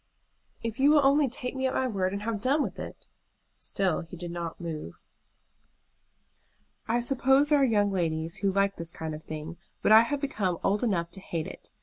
"If you will only take me at my word and have done with it!" Still he did not move. "I suppose there are young ladies who like this kind of thing, but I have become old enough to hate it.